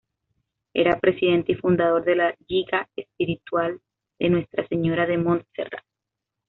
Era presidente y fundador de la Lliga Espiritual de Nuestra Señora de Montserrat.